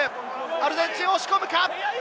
アルゼンチンを押し込むか？